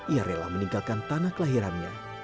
ia rela meninggalkan tanah kelahirannya